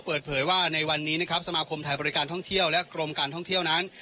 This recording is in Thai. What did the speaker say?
เปิดเผยว่าในวันนี้นะครับสมาคมไทยบริการท่องเที่ยวและกรมการท่องเที่ยวนั้น